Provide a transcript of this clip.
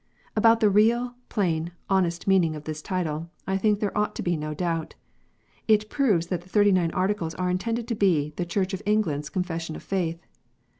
About the real, plain, honest meaning of this title, I think there ought to be no doubt. It proves that the Thirty nine Articles are intended to be " the Church of England s Confession of faith."